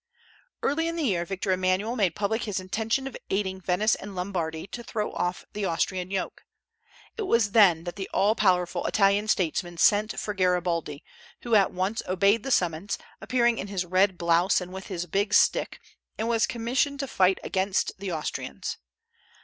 Early in the year Victor Emmanuel made public his intention of aiding Venice and Lombardy to throw off the Austrian yoke. It was then that the all powerful Italian statesman sent for Garibaldi, who at once obeyed the summons, appearing in his red blouse and with his big stick, and was commissioned to fight against the Austrians.